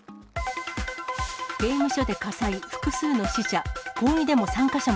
刑務所で火災、複数の死者。